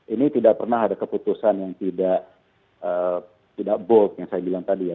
ini tidak pernah ada keputusan yang tidak bold yang saya bilang tadi ya